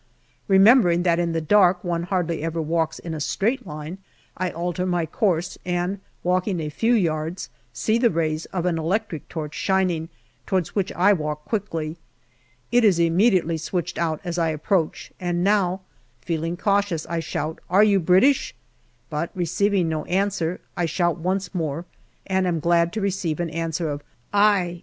Remembering that in the dark one hardly ever walks in a straight line, I alter my course, and walking a few yards, see the rays of an electric torch shining, towards which I walk quickly. It is immediately switched out as I approach, and now, feeling cautious, I shout, " Are you British ?" but receiving no answer, I shout once more, and am glad to receive an answer of " Aye, aye."